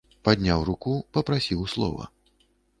Падняў руку, папрасіў слова.